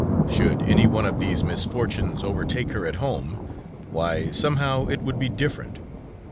Should any one of these misfortunes overtake her at home why somehow it would be different.